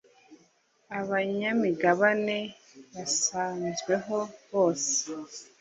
abanyamigabane basanzweho bose